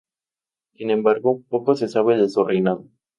Sin embargo, poco se sabe de su reinado.